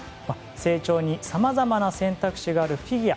成長に、さまざまな選択肢があるフィギュア。